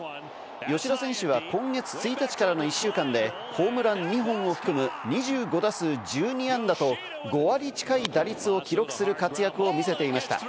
吉田選手は今月１日からの１週間でホームラン２本を含む２５打数１２安打と５割近い打率を記録する活躍を見せていました。